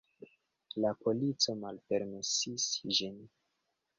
La polico malpermesis ĝin.